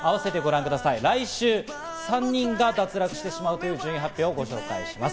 来週３人が脱落してしまうという順位発表をご紹介します。